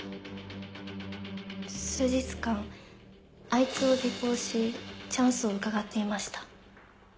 数日間あいつを尾行しチャンスをうかがっていました。